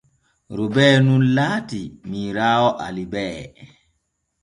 Robee nun laatii miiraawo Alibee.